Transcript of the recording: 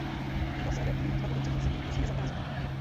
Vývoz radioaktivního odpadu do třetích zemí musíme zakázat.